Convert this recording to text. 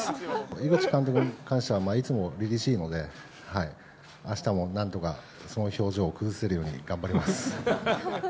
井口監督に関しては、いつもりりしいので、あしたもなんとか、その表情を崩せるように頑張ります。